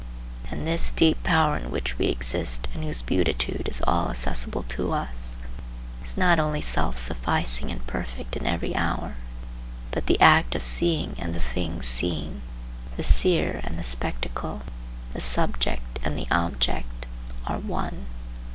And this deep power in which we exist and whose beatitude is all accessible to us, is not only self sufficing and perfect in every hour, but the act of seeing and the thing seen, the seer and the spectacle, the subject and the object, are one.